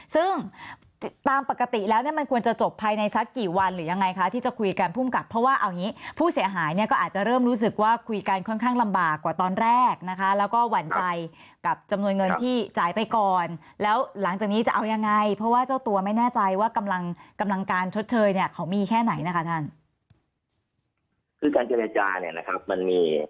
ซึ่งตามปกติแล้วเนี่ยมันควรจะจบภายในสักกี่วันหรือยังไงคะที่จะคุยกันพุ่มกับเพราะว่าเอาอย่างงี้ผู้เสียหายเนี่ยก็อาจจะเริ่มรู้สึกว่าคุยกันค่อนข้างลำบากกว่าตอนแรกนะคะแล้วก็หวั่นใจกับจำนวนเงินที่จ่ายไปก่อนแล้วหลังจากนี้จะเอายังไงเพราะว่าเจ้าตัวไม่แน่ใจว่ากำลังการชดเชยเนี่ยเขาม